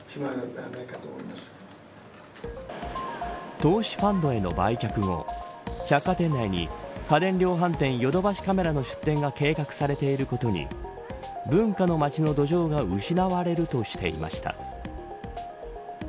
投資ファンドへの売却後百貨店内に家電量販店ヨドバシカメラの出店が計画されていることに文化の街の土壌が失われるとしていました。